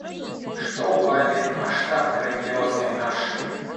Что бабе масштаб грандиозный наш?!